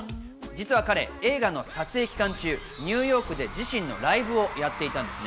実は彼、映画の撮影期間中、ニューヨークで自身のライブをやっていたんです。